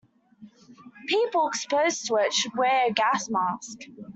People exposed to it should wear a gas mask.